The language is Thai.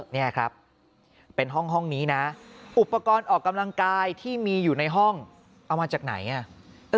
นี่ครับเป็นห้องนี้นะอุปกรณ์ออกกำลังกายที่มีอยู่ในห้องเอามาจากไหนอ่ะ